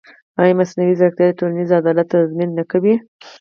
ایا مصنوعي ځیرکتیا د ټولنیز عدالت تضمین نه کوي؟